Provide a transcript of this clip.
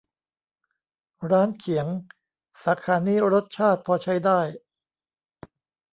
ร้านเขียง สาขานี้รสชาติพอใช้ได้